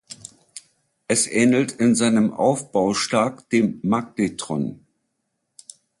Es ähnelt in seinem Aufbau stark dem Magnetron.